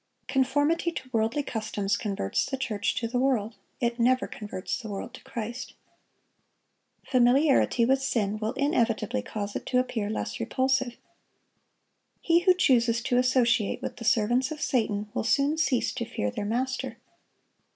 Conformity to worldly customs converts the church to the world; it never converts the world to Christ. Familiarity with sin will inevitably cause it to appear less repulsive. He who chooses to associate with the servants of Satan, will soon cease to fear their master.